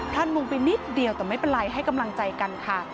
ท่านมุงไปนิดเดียวแต่ไม่เป็นไรให้กำลังใจกันค่ะ